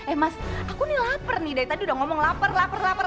eh mas aku nih lapar nih dari tadi udah ngomong lapar lapar lapar